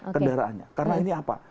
kendaraannya karena ini apa